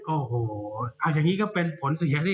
โอ้โหอ้อยังงี้ก็เป็นผลเสียสิ